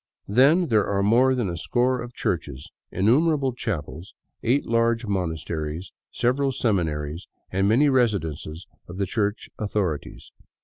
Then there are more than a score of churches, innumerable chapels, eight large monasteries, several seminaries, and many residences of the Church authorities.